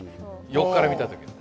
横から見た時の。